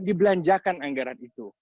dibelanjakan anggaran itu